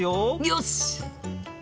よし！